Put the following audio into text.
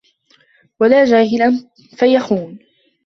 وَلَا جَاهِلًا فَيَخُونَ